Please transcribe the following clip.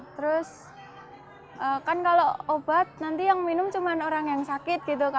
terus kan kalau obat nanti yang minum cuma orang yang sakit gitu